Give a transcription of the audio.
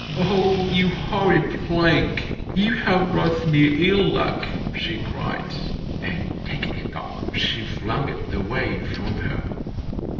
'Oh, you horrid plank, you have brought me ill luck!' she cried. And taking it up she flung it away from her.